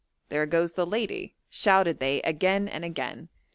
('there goes the lady'), shouted they again and again.